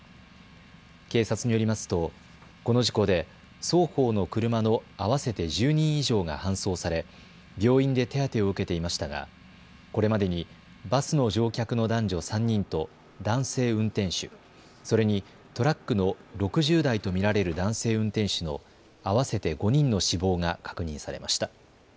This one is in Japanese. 警察によりますとこの事故で双方の車の合わせて１０人以上が搬送され病院で手当てを受けていましたがこれまでにバスの乗客の男女３人と男性運転手、それにトラックの６０代と見られる男性運転手の合わせて５人の死亡が確認されました。